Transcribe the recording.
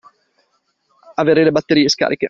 Avere le batterie scariche.